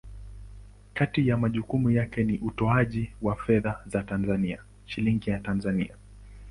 Kati ya majukumu yake ni utoaji wa fedha za Tanzania, Shilingi ya Tanzania.